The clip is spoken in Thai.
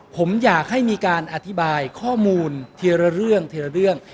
ผมอยากให้มีการอธิบายข้อมูลทีละเรื่องทีละเรื่อง